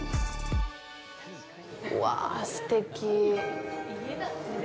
うわあ、すてき。